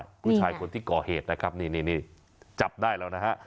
ผู้ชายคนที่ก่อเหตุนะครับนี่นี่จับได้แล้วนะฮะ